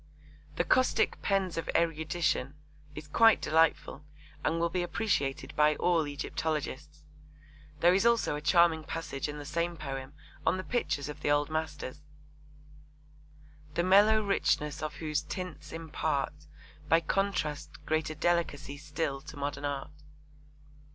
'The caustic pens of erudition' is quite delightful and will be appreciated by all Egyptologists. There is also a charming passage in the same poem on the pictures of the Old Masters: the mellow richness of whose tints impart, By contrast, greater delicacy still to modern art.